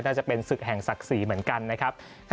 น่าจะเป็นศึกแห่งศักดิ์ศรีเหมือนกันนะครับ